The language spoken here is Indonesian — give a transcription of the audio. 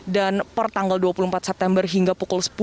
dan per tanggal dua puluh empat september hingga pukul sepuluh